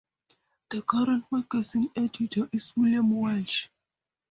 The current magazine editor is William Welsh.